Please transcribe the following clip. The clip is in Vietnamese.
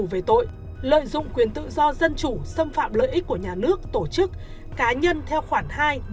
về tội lợi dụng quyền tự do dân chủ xâm phạm lợi ích của nhà nước tổ chức cá nhân theo khoản hai năm